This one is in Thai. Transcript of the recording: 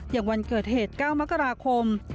อย่างวันเกิดเหตุ๙มกราคม